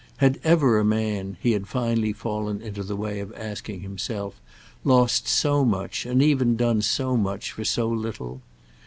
Had ever a man, he had finally fallen into the way of asking himself, lost so much and even done so much for so little?